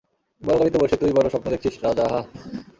বড় গাড়িতে বসে, তুই বড় স্বপ্ন দেখছিস রাজা, হাহ্?